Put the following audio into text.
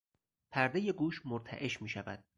پردهی گوش مرتعش میشود.